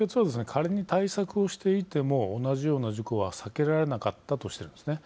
仮に対策をしていても同じような事故は避けられなかったとしてるんです。